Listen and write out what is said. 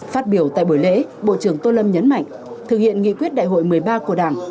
phát biểu tại buổi lễ bộ trưởng tô lâm nhấn mạnh thực hiện nghị quyết đại hội một mươi ba của đảng